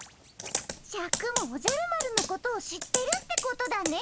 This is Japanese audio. シャクもおじゃる丸のことを知ってるってことだね。